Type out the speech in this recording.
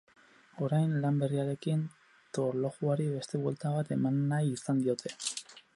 Orain, lan berriarekin, torlojuari beste buelta bat emannahi izan diote.